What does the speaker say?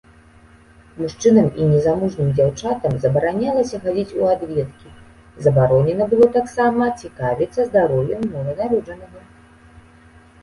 Мужчынам і незамужнім дзяўчатам забаранялася хадзіць у адведкі, забаронена было таксама цікавіцца здароўем нованароджанага.